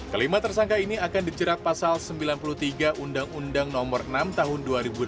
kelima tersangka ini akan dijerat pasal sembilan puluh tiga undang undang nomor enam tahun dua ribu delapan belas